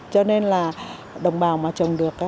cho nên là đồng bào mà trồng được